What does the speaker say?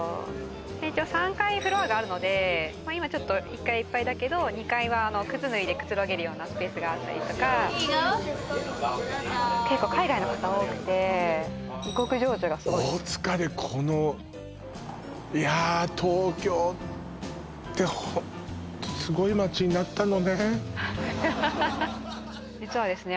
一応３階フロアがあるので今１階いっぱいだけど２階は靴脱いでくつろげるようなスペースがあったりとかどうぞー結構海外の方多くて異国情緒がすごい大塚でこのいやー東京ってホンットすごい街になったのね実はですね